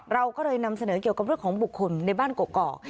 เราก็เลยนำเสนอเกี่ยวกับเรื่องของบุคคลในบ้านเกาะ